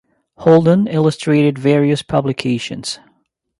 Holden illustrated various publications.